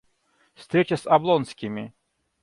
Встреча с Облонскими.